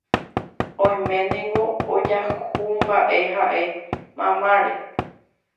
oiménengo ojahúmba'e ha'e mamáre